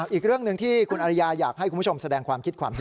อีกเรื่องหนึ่งที่คุณอริยาอยากให้คุณผู้ชมแสดงความคิดความเห็น